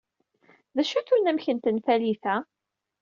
D acu-t unamek n tenfalit-a?